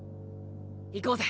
行こうぜ。